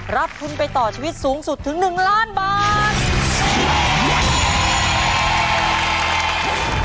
รับทุนไปต่อชีวิตสูงสุดถึง๑ล้านบาท